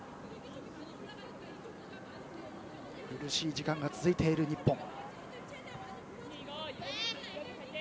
苦しい時間が続いている日本。